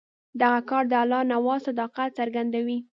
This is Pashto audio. دغه کار د الله نواز صداقت څرګندوي.